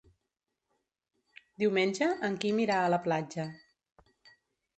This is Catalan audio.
Diumenge en Quim irà a la platja.